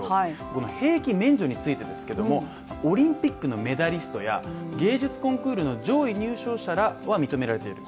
この兵役免除についてですけどもオリンピックのメダリストや芸術コンクールの上位入賞者らは認められている。